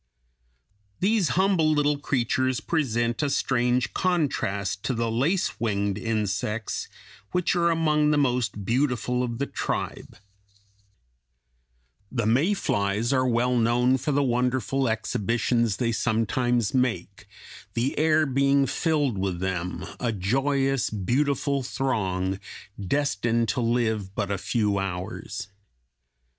These humble little creatures present a strange contrast to the lace winged insects which are among the most beautiful of the tribe. [Illustration: FIG. 180. A six legged insect.] The May flies (Fig. 183) are well known for the wonderful exhibitions they sometimes make, the air being filled with them, a joyous, beautiful throng, destined to live but a few hours.